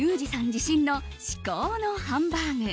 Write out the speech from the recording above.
自信の至高のハンバーグ。